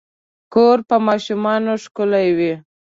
کور په ماشومانو ښکلے وي